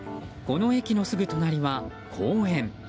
この駅のすぐ隣は公園。